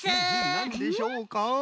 なんでしょうか。